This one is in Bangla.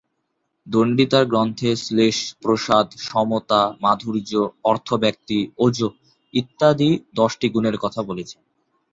দন্ডী তাঁর গ্রন্থে শ্লেষ, প্রসাদ, সমতা, মাধুর্য, অর্থব্যক্তি, ওজঃ ইত্যাদি দশটি গুণের কথা বলেছেন।